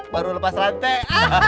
baru lepas rantai